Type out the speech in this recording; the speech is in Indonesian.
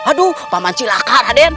aduh paman cilaka raden